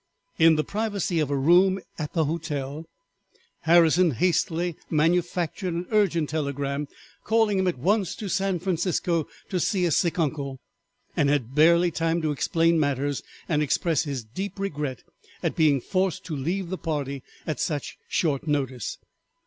In the privacy of a room at the hotel Harrison hastily manufactured an urgent telegram calling him at once to San Francisco to see a sick uncle, and had barely time to explain matters and express his deep regret at being forced to leave the party at such short notice.